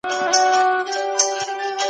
په هر کلي کي باید یو کلینیک موجود وي.